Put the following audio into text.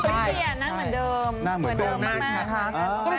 แต่แก้มแดงมากเลยนะ